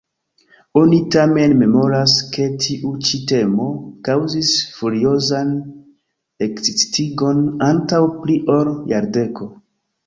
Oni tamen memoras, ke tiu ĉi temo kaŭzis furiozan ekscitiĝon antaŭ pli ol jardeko.